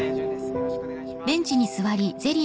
よろしくお願いします。